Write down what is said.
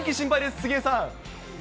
杉江さん。